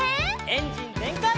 エンジンぜんかい！